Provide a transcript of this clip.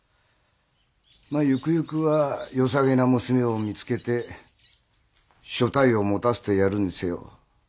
まゆくゆくはよさげな娘を見つけて所帯を持たせてやるにせよ。